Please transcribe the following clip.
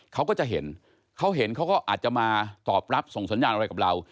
เขาก็จะเห็นเขาเห็นเขาก็อาจจะมาตอบรับส่งสัญญาณอะไรกับเรา